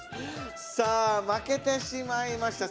さあ負けてしまいました。